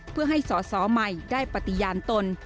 เพื่อให้สอสอใหม่ได้ปฏิญาณตน